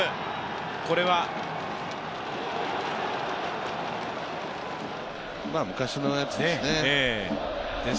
これは昔のやつですね。